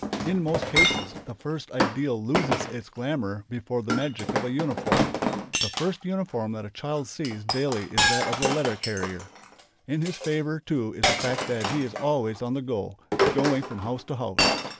In most cases the first ideal loses its glamour before the magic of a uniform. The first uniform that a child sees daily is that of the "letter carrier." In his favour, too, is the fact that he is always on the go, going from house to house.